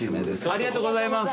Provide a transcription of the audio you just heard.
ありがとうございます。